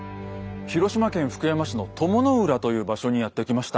広島県福山市の鞆の浦という場所にやって来ました。